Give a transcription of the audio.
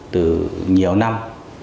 từ nhiều năm